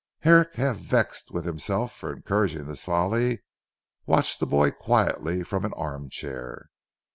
Herrick half vexed with himself for encouraging this folly, watched the boy quietly from an arm chair.